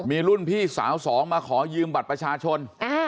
มีรุ่นพี่สาวสองมาขอยืมบัตรประชาชน